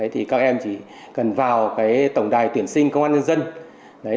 thì các em chỉ cần vào tổng đài tuyển sinh công an nhân dân